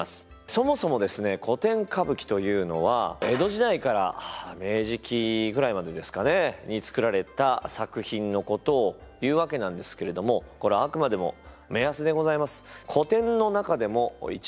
そもそもですね古典歌舞伎というのは江戸時代から明治期ぐらいまでですかねに作られた作品のことをいうわけなんですけれどもこれはあくまでも目安でございます。